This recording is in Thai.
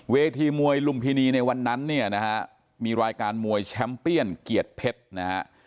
เวทีมวยลุมภินีในวันนั้นมีรายการมวยแชมป์เปียนเกียรติเพชร